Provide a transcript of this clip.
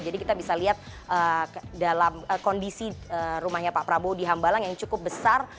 jadi kita bisa lihat dalam kondisi rumahnya pak prabowo di hambalang yang cukup besar